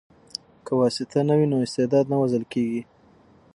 که واسطه نه وي نو استعداد نه وژل کیږي.